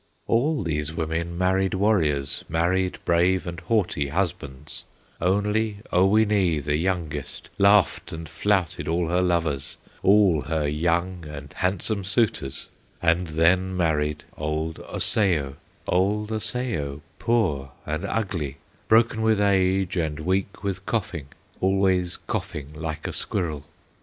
"All these women married warriors, Married brave and haughty husbands; Only Oweenee, the youngest, Laughed and flouted all her lovers, All her young and handsome suitors, And then married old Osseo, Old Osseo, poor and ugly, Broken with age and weak with coughing, Always coughing like a squirrel.